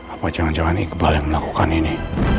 apa jangan jangan iqbal yang melakukan ini